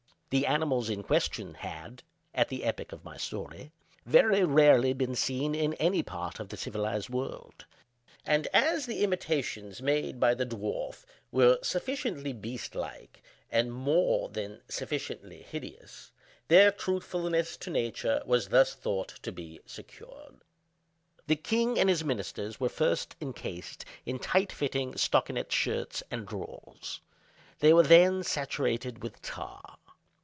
The animals in question had, at the epoch of my story, very rarely been seen in any part of the civilized world; and as the imitations made by the dwarf were sufficiently beast like and more than sufficiently hideous, their truthfulness to nature was thus thought to be secured. The king and his ministers were first encased in tight fitting stockinet shirts and drawers. They were then saturated with tar.